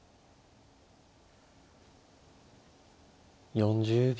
４０秒。